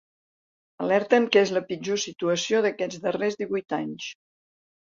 Alerten que és la pitjor situació d’aquests darrers divuit anys.